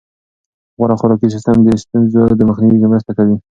غوره خوراکي سیستم د ستونزو مخنیوي کې مرسته کوي.